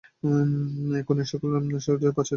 এখন এই-সকল ভাব জগতে প্রচারিত হইবার সময় আসিতেছে।